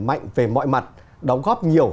mạnh về mọi mặt đóng góp nhiều